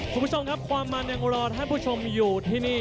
คุณผู้ชมครับความมันยังรอท่านผู้ชมอยู่ที่นี่